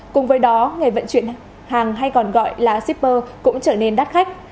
cùng với đó nghề vận chuyển hàng hay còn gọi là shipper cũng trở nên đắt khách